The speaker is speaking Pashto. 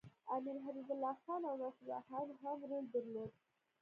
امیر حبیب الله خان او نصرالله خان هم رول درلود.